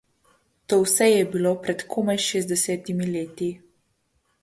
To vse je bilo pred komaj šestdesetimi leti.